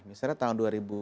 misalnya tahun dua ribu dua